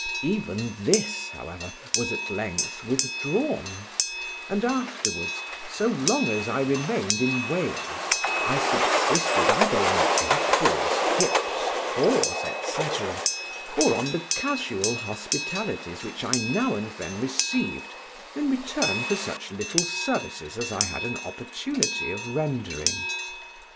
Even this, however, was at length withdrawn; and afterwards, so long as I remained in Wales, I subsisted either on blackberries, hips, haws, &c., or on the casual hospitalities which I now and then received in return for such little services as I had an opportunity of rendering.